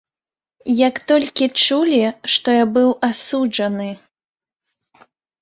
Як толькі чулі, што я быў асуджаны.